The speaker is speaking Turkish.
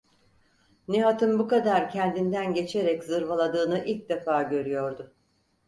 Nihat’ın bu kadar kendinden geçerek zırvaladığını ilk defa görüyordu.